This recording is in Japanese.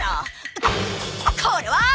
これは！？